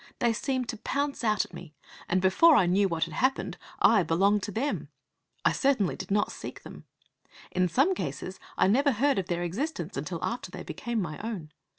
They seemed to pounce out at me, and before I knew what had happened I belonged to them: I certainly did not seek them. In some cases I never heard of their existence until after they became my own.